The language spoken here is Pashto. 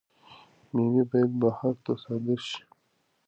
میوې باید بهر ته صادر شي.